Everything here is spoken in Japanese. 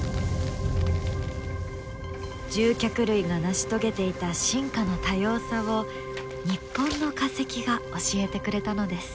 獣脚類が成し遂げていた進化の多様さを日本の化石が教えてくれたのです。